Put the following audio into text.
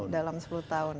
dalam sepuluh tahun